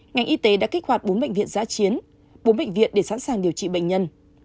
ngành y tế đã kích hoạt bốn bệnh viện giã chiến bốn bệnh viện để sẵn sàng điều trị bệnh nhân